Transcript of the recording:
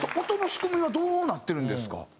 音の仕組みはどうなってるんですか？